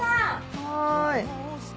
はい。